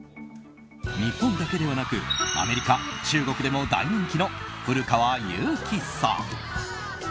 日本だけではなくアメリカ中国でも大人気の古川雄輝さん。